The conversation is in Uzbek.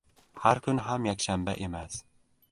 • Har kun ham yakshanba emas.